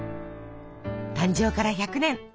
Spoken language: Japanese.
誕生から１００年